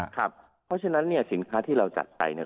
เพราะฉะนั้นเนี่ยสินค้าที่เราจัดไปเนี่ย